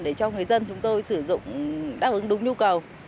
để cho người dân chúng tôi sử dụng đáp ứng đúng nhu cầu